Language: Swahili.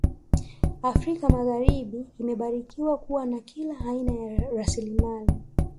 Afrika magharibi imebarikiwa kuwa na kila aina ya rasilimali